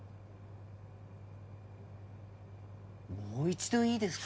もう一度いいですか？